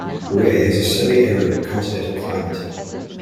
Wray has a semi-arid continental climate.